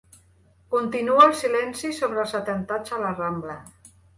Continua el silenci sobre els atemptats a la Rambla